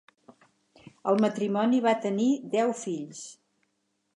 El matrimoni va tenir deu fills.